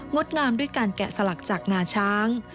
ดงามด้วยการแกะสลักจากงาช้าง